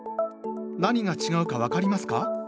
何が違うか分かりますか？